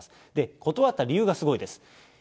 断った理由がすごいです。